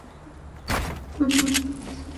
আম্মু ঠিক আছে, চিন্তা করো না!